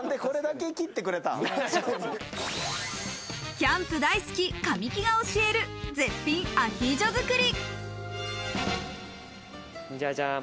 キャンプ大好き神木が教える、絶品アヒージョ作り。